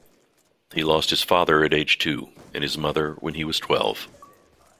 He lost his father at age two and his mother when he was twelve.